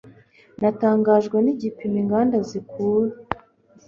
Natangajwe nigipimo inganda zikura.